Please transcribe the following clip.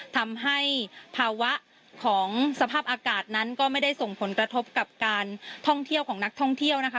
ทำให้ภาวะของสภาพอากาศนั้นก็ไม่ได้ส่งผลกระทบกับการท่องเที่ยวของนักท่องเที่ยวนะคะ